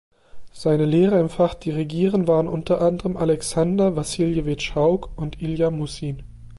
Seine Lehrer im Fach Dirigieren waren unter anderem Alexander Wassiljewitsch Hauck und Ilja Mussin.